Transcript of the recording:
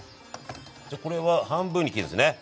じゃあこれは半分に切るんですね？